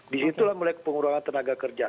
di situlah mulai pengurangan tenaga kerja